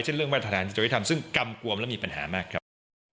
เช่นเรื่องวัฒนฐานที่เจ้าจะทำซึ่งกรรมกวมแล้วมีปัญหามากครับ